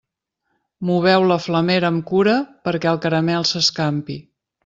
Moveu la flamera amb cura perquè el caramel s'escampi.